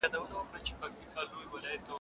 د سترګو حق ادا کړئ.